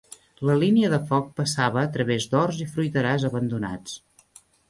La línia de foc passava a través d'horts i fruiterars abandonats